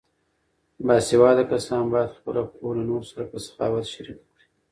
باسواده کسان باید خپله پوهه له نورو سره په سخاوت شریکه کړي.